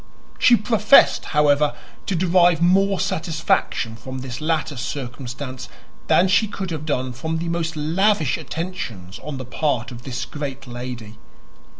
She professed, however, to derive more satisfaction from this latter circumstance than she could have done from the most lavish attentions on the part of this great lady.